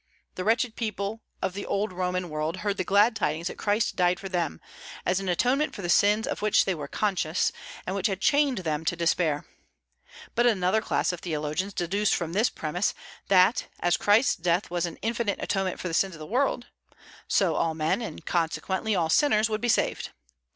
The wretched people of the old Roman world heard the glad tidings that Christ died for them, as an atonement for the sins of which they were conscious, and which had chained them to despair. But another class of theologians deduced from this premise, that, as Christ's death was an infinite atonement for the sins of the world, so all men, and consequently all sinners, would be saved.